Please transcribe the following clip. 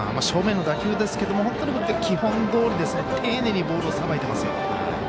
正面の打球ですけども本当に基本どおり丁寧にボールをさばいてますよ。